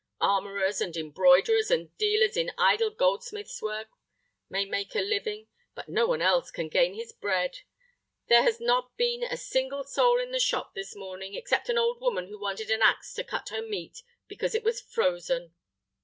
Armorers, and embroiderers, and dealers in idle goldsmiths' work, may make a living; but no one else can gain his bread. There has not been a single soul in the shop this morning, except an old woman who wanted an ax to cut her meat, because it was frozen."